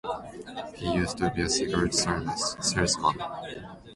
He used to be a cigarette salesman.